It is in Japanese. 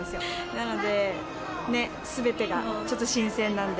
なので、すべてがちょっと新鮮なんで。